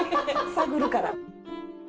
探るから。